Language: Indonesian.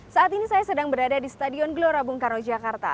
saat ini saya sedang berada di stadion gelora bung karno jakarta